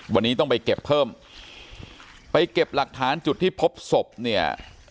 วันนี้ต้องไปเก็บเพิ่มไปเก็บหลักฐานจุดที่พบศพเนี่ย